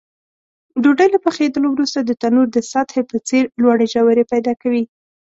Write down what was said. ډوډۍ له پخېدلو وروسته د تنور د سطحې په څېر لوړې ژورې پیدا کوي.